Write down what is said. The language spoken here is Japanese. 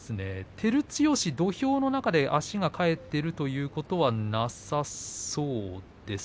照強は土俵の中で足が返っているということはなさそうです。